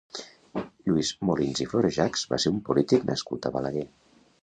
Lluís Molins i Florejachs va ser un polític nascut a Balaguer.